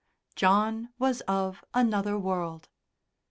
John was of another world.